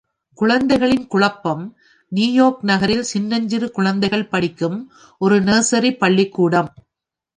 குழந்தைகளின் குழப்பம் நியூயார்க் நகரில் சின்னஞ்சிறு குழந்தைகள் படிக்கும் ஒரு நர்சரிப் பள்ளிக்கூடம்.